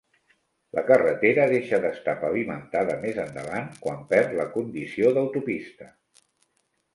La carretera deixa d'estar pavimentada més endavant quan perd la condició d'autopista.